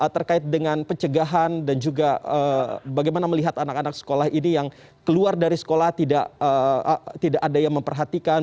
terkait dengan pencegahan dan juga bagaimana melihat anak anak sekolah ini yang keluar dari sekolah tidak ada yang memperhatikan